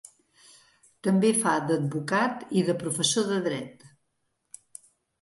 També fa d'advocat i de professor de dret.